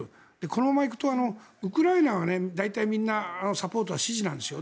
このままいくとウクライナは大体みんなサポート、支持なんですよ。